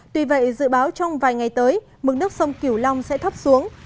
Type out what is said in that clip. tuy vậy dự báo trong vài ngày tới mực nước sông kiều long sẽ thấp xuống